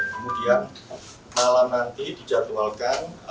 kemudian malam nanti dijadwalkan